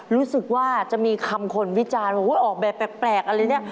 รู้สึกว่าจะมีคำคนวิจารณ์ว่าออกแบบแปลกอะไรเนี่ย